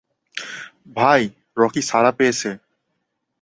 ভাই, রকি ছাড়া পেয়েছে।